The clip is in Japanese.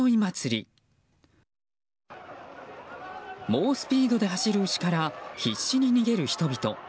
猛スピードで走る牛から必死に逃げる人々。